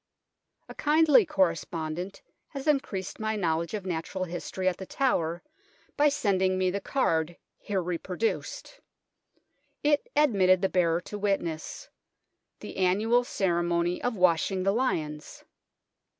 A kindly correspondent has increased my knowledge of natural history at The Tower by sending me the card here reproduced. It admitted the bearer to witness " The annual ceremony of Washing the Lions."